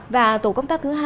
và tổ công tác thứ hai